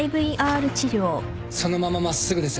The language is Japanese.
そのまま真っすぐです